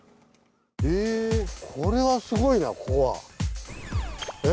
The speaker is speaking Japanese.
へえこれはすごいなここは。